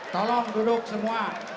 tolong duduk semua